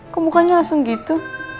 kok mukanya langsung gitu